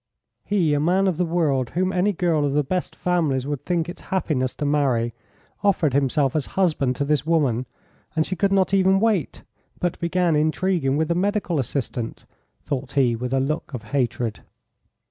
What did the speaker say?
"He, a man of the world, whom any girl of the best families would think it happiness to marry, offered himself as a husband to this woman, and she could not even wait, but began intriguing with the medical assistant," thought he, with a look of hatred.